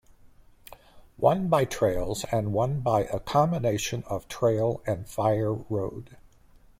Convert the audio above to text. One by trails and one by a combination of trail and fire road.